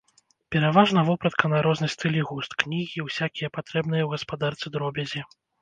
Пераважна вопратка на розны стыль і густ, кнігі, усякія патрэбныя ў гаспадарцы дробязі.